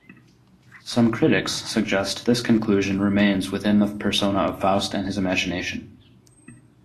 Some critics suggest this conclusion remains within the persona of Faust and his imagination.